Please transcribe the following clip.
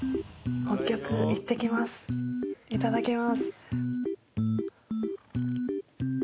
いただきます。